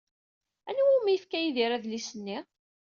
Anwa umi yefka Yidir adlis-nni?